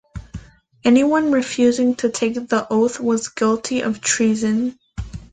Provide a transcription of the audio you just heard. Anyone refusing to take the oath was guilty of treason.